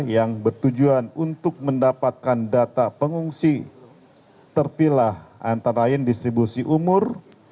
yang bertujuan untuk mendapatkan data pengungsi terpilah antara lain distribusi umur